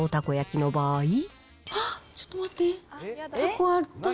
あっ、ちょっと待って。